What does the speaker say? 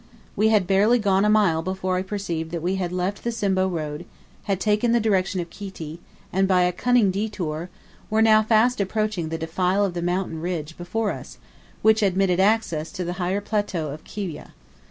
We had barely gone a mile before I perceived that we had left the Simbo road, had taken the direction of Kiti, and, by a cunning detour, were now fast approaching the defile of the mountain ridge before us, which admitted access to the higher plateau of Kiwyeh.